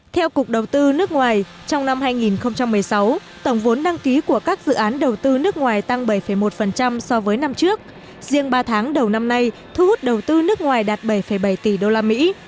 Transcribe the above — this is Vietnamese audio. theo cục đầu tư nước ngoài trong năm hai nghìn một mươi sáu tổng vốn đăng ký của các dự án đầu tư nước ngoài tăng bảy một so với năm trước riêng ba tháng đầu năm nay thu hút đầu tư nước ngoài đạt bảy bảy tỷ đô la mỹ